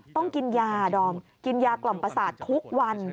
ต้องกินยาดอมกินยากล่อมประสาททุกวัน